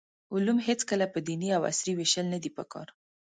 علوم هېڅکله په دیني او عصري ویشل ندي پکار.